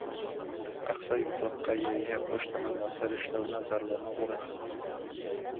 Аҡса юҡлыҡҡа йә иһә почтаның насар эшләүенә зарланыу урынһыҙ.